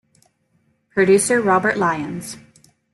Producer Robert Lyons.